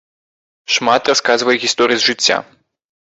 Шмат расказвае гісторый з жыцця.